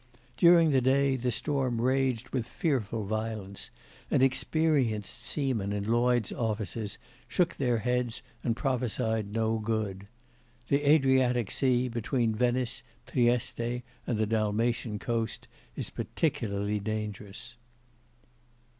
During the day the storm raged with fearful violence, and experienced seamen in Lloyd's offices shook their heads and prophesied no good. The Adriatic Sea between Venice, Trieste, and the Dalmatian coast is particularly dangerous.